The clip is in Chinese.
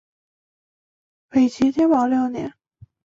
北齐天保六年。